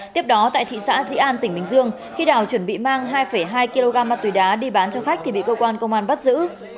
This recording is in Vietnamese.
tiếp đó tại thị xã dĩ an tỉnh bình dương khi đào chuẩn bị mang hai hai kg ma túy đá đi bán cho khách thì bị cơ quan công an bắt giữ